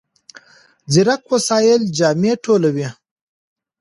ځیرک وسایل جامې ټولوي.